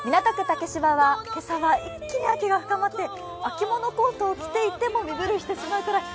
竹芝は今朝は一気に秋が深まって秋物コートを着ていても身震いしてしまうぐらい